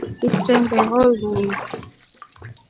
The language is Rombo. Kutembeho linu.